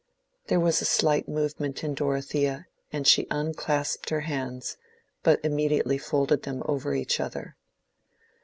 There was a slight movement in Dorothea, and she unclasped her hands, but immediately folded them over each other.